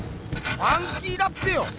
ファンキーだっぺよ！